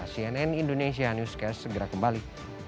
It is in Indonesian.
cnn indonesia newscast segera kembali